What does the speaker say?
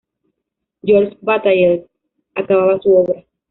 Georges Bataille acababa su obra.